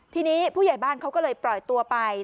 ทีนี้ผู้ใหญ่บ้านเขาก็เลยปล่อยตัวไป